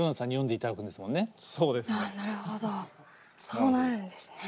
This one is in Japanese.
そうですね。